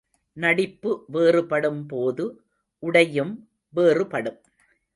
நடிப்பு வேறுபடும் போது உடையும் வேறுபடும்.